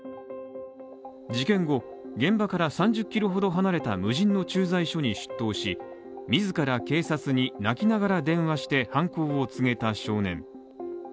事件後、現場から３０ｋｍ離れた無人の駐在所に出頭し自ら警察に泣きながら電話して犯行を告げた少年。